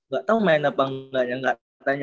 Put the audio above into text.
gak tau main apa enggak